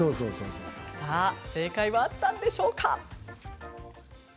さあ正解はあったんでしょうか。